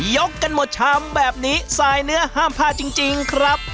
กันหมดชามแบบนี้สายเนื้อห้ามพลาดจริงครับ